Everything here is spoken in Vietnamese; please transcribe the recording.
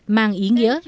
mang ý nghĩa